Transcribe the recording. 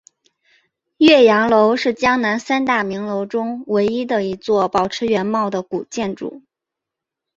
岳阳楼是江南三大名楼中唯一的一座保持原貌的古建筑。